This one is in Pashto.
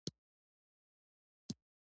د حاصل زیاتوالی د بزګرانو خوشحالي زیاته وي.